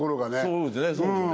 そうですね